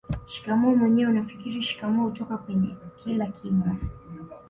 Shikamoo mwenyewe unafikiri shikamoo hutoka kwenye kila kinywa